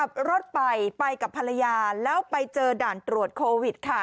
ขับรถไปไปกับภรรยาแล้วไปเจอด่านตรวจโควิดค่ะ